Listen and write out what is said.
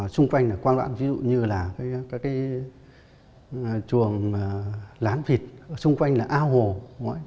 xung quanh là quang đoạn ví dụ như là các cái chuồng lán vịt xung quanh là ao hồ